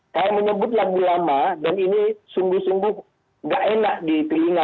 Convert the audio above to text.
saya menyebut lagu lama dan ini sungguh sungguh nggak enak di telinga